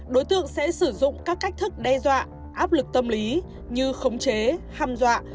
đối tượng sẽ sử dụng các cách thức đe dọa áp lực tâm lý như khống chế hăm dọa